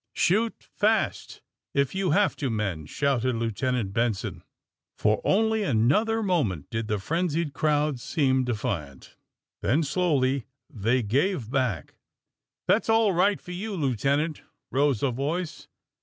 ^^ Shoot fast, if you have to men!" shouted Lieutenant Benson. For only another moment did the frenzied crowd seem defiant. Then, slowly, they gave back. ^'That's all right for you. Lieutenant!" rose a voice.